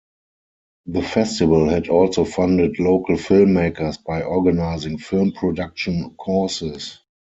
The festival had also funded local filmmakers by organising film production courses.